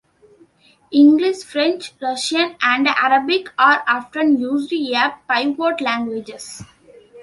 English, French, Russian, and Arabic are often used as pivot languages.